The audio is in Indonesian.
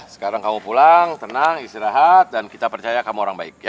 sekarang kamu pulang tenang istirahat dan kita percaya kamu orang baik